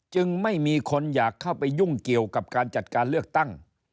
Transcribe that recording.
จึงไม่มีคนอยากเข้าไปยุ่งเกี่ยวกับการจัดการเลือกตั้ง